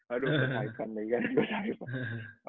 aduh bos haifan nih kan